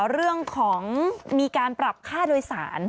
เรื่องของการปรับค่าโดยสาร